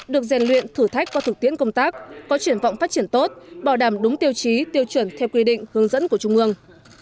được rèn luyện thử thách qua thực tiễn công tác có chuyển vọng phát triển tốt bảo đảm đúng tiêu chí tiêu chuẩn theo quy định hướng dẫn của trung ương